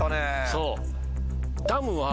そう。